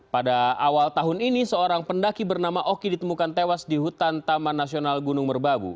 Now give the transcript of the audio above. pada awal tahun ini seorang pendaki bernama oki ditemukan tewas di hutan taman nasional gunung merbabu